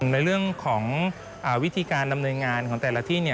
ในเรื่องของวิธีการดำเนินงานของแต่ละที่